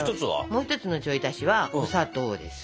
もう一つのちょい足しはお砂糖です。